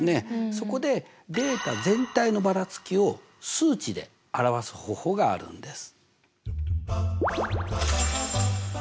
そこでデータ全体のばらつきを数値で表す方法があるんです。